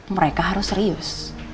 mereka harus serius